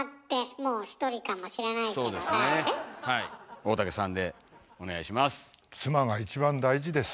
大竹さんでお願いします。